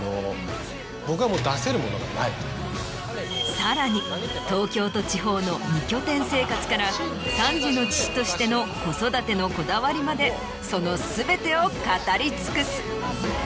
さらに東京と地方の二拠点生活から３児の父としての子育てのこだわりまでその全てを語り尽くす。